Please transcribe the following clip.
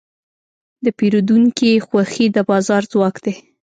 د پیرودونکي خوښي د بازار ځواک دی.